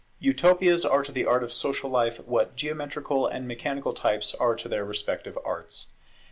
Utopias are to the Art of social life what geometrical and mechanical types are to their respective arts.